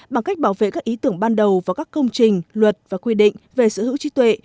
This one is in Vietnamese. bằng cách bảo vệ các ý tưởng ban đầu vào các công trình luật và quy định về sở hữu trí tuệ